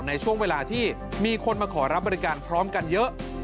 ในช่วงเวลาที่มีคนมาขอรับบริการพร้อมกันเยอะ